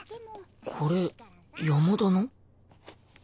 これ山田の？